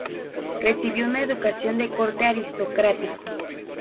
Recibió una educación de corte aristocrático.